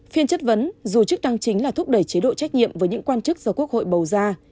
phiên chất vấn dù chức năng chính là thúc đẩy chế độ trách nhiệm với những quan chức do quốc hội bầu ra